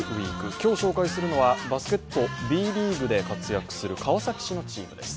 今日紹介するのはバスケットＢリーグで活躍する川崎市のチームです。